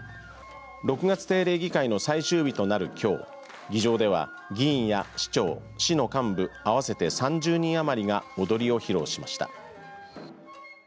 ６月定例議会の最終日となるきょう議場では議員や市長市の幹部合わせて３０人余りがおどりを披露しました。